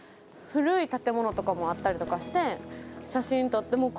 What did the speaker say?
古い建物とかもあったりとかして写真撮って。